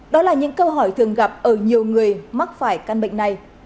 đó là những câu hỏi thường gặp ở nhiều người mắc phải căn bệnh này